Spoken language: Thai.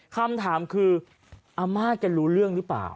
คำถามคืออาม่าแกรู้เรื่องหรือเปล่า